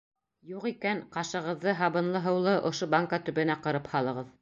Юҡ икән, ҡашығыҙҙы һабынлы һыулы ошо банка төбөнә ҡырып һалығыҙ.